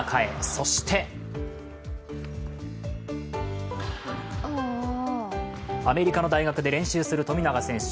そしてアメリカの大学で練習する富永選手。